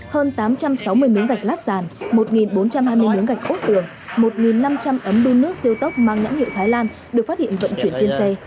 hơn tám trăm sáu mươi miếng gạch lát sàn một bốn trăm hai mươi miếng gạch ốt tường một năm trăm linh ấm đun nước siêu tốc mang nhãn hiệu thái lan được phát hiện vận chuyển trên xe